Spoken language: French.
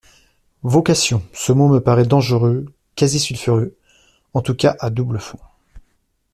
Vocation, ce mot me parait dangereux, quasi sulfureux, en tout cas à double fond.